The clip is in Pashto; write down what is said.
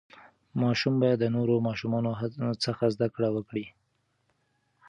ماشوم باید د نورو ماشومانو څخه زده کړه وکړي.